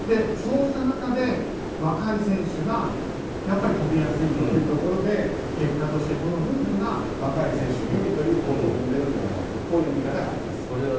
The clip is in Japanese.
そうした中で、若い選手が跳びやすいというところで結果としてルールが若い選手が有利という構造を生んでいるのではないかという見方があります。